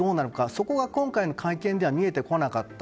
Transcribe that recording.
そこが今回の会見では見えてこなかった。